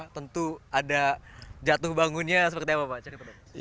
tentu ada jatuh bangunnya seperti apa pak cerita